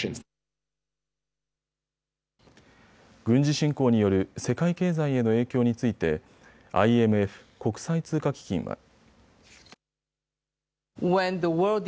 軍事侵攻による世界経済への影響についてＩＭＦ・国際通貨基金は。